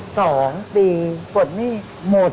สองปีปลดหนี้หมด